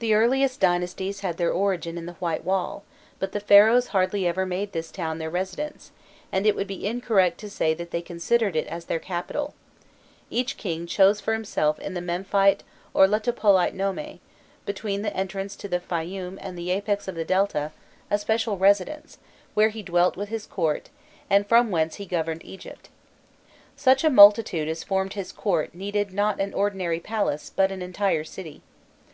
The earliest dynasties had their origin in the "White Wall," but the Pharaohs hardly ever made this town their residence, and it would be incorrect to say that they considered it as their capital; each king chose for himself in the Memphite or Letopolite nome, between the entrance to the Fayûni and the apex of the Delta, a special residence, where he dwelt with his court, and from whence he governed Egypt. Such a multitude as formed his court needed not an ordinary palace, but an entire city.